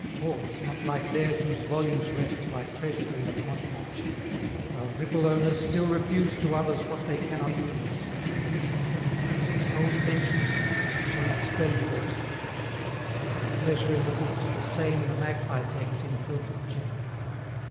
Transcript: Hoards, not like theirs whose volumes rest Like treasures in the Franch'mont chest, While gripple owners still refuse 220 To others what they cannot use; Give them the priest's whole century, They shall not spell you letters three; Their pleasure in the books the same The magpie takes in pilfer'd gem.